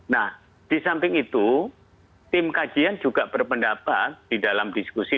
nah di samping itu tim kajian juga berpendapat di dalam diskusi